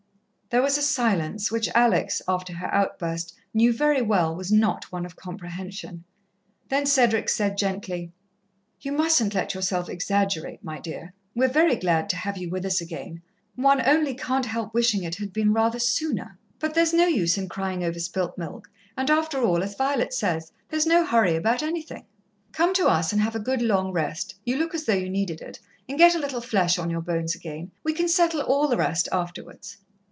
There was a silence, which Alex, after her outburst, knew very well was not one of comprehension. Then Cedric said gently: "You mustn't let yourself exaggerate, my dear. We're very glad to have you with us again, one only can't help wishing it had been rather sooner. But there's no use in crying over spilt milk, and after all, as Violet says, there's no hurry about anything. Come to us and have a good long rest you look as though you needed it and get a little flesh on your bones again. We can settle all the rest afterwards."